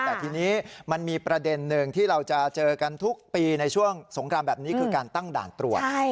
แต่ทีนี้มันมีประเด็นหนึ่งที่เราจะเจอกันทุกปีในช่วงสงครามแบบนี้คือการตั้งด่านตรวจ